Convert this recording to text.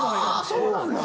そうなんだ。